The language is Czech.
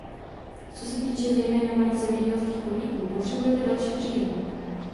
Co se týče zejména malých zemědělských podniků, potřebujete další příjem.